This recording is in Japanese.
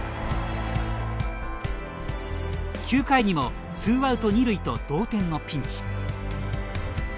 ９回にも、ツーアウト２塁と同点のピンチ。